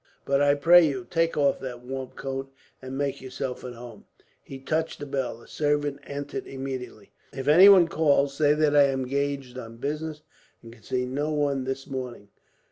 "But I pray you, take off that warm coat, and make yourself at home." He touched a bell. A servant entered immediately. "If anyone calls, say that I am engaged on business, and can see no one this morning.